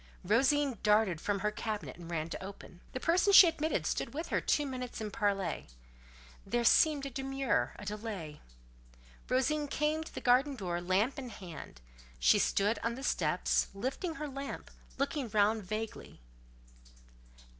Rosine darted from her cabinet and ran to open. The person she admitted stood with her two minutes in parley: there seemed a demur, a delay. Rosine came to the garden door, lamp in hand; she stood on the steps, lifting her lamp, looking round vaguely.